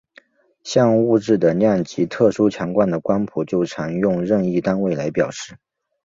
像物质的量及特殊强度的光谱就常用任意单位来表示。